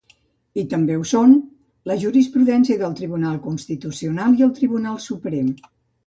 I també ho són la jurisprudència del Tribunal Constitucional i el Tribunal Suprem.